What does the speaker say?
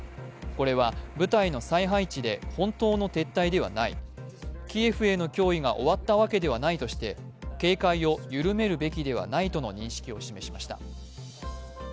これは部隊の再配置で本当の撤退ではないキエフへの脅威が終わったわけではないとして警戒を緩めるべきではないとの認識を示しました。